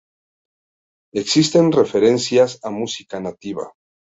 Existen referencias a música nativa.